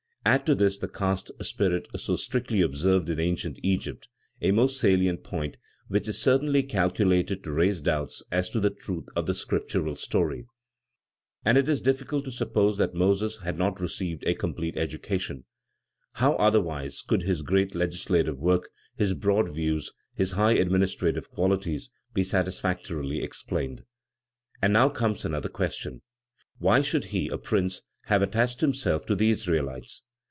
Add to this the caste spirit so strictly observed in ancient Egypt, a most salient point, which is certainly calculated to raise doubts as to the truth of the Scriptural story. And it is difficult to suppose that Moses had not received a complete education. How otherwise could his great legislative work, his broad views, his high administrative qualities be satisfactorily explained? And now comes another question: Why should he, a prince, have attached himself to the Israelites?